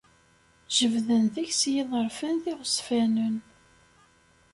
Jebden deg-s yiḍerfan d iɣezfanen.